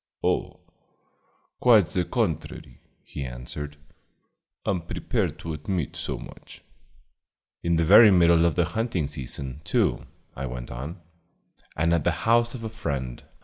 "Oh, quite the contrary," he answered. "I'm prepared to admit so much." "In the very middle of the hunting season, too," I went on, "and at the house of a friend.